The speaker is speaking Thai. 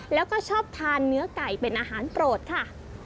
แล้วก็ชอบทานเนื้อไก่เป็นอาหารโปรดค่ะ